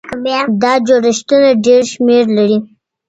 دا جوړښتونه ډېر شمېر لري.